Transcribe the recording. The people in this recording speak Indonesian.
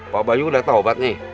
pak bayu udah tahu banget nih